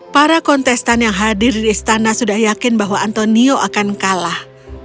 para kontestan yang hadir di istana sudah yakin bahwa antonio akan kalah